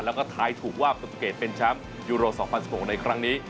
แล้วก็ท้ายถูกว่าประตูเกตเป็นแชมป์ยูโร๒๐๑๖ในครั้งนี้